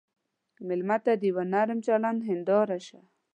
مېلمه ته د یوه نرم چلند هنداره شه.